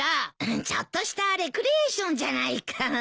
ちょっとしたレクリエーションじゃないか。